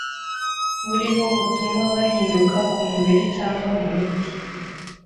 buriho butuma bahinduka kumubiri cyangwa mumiti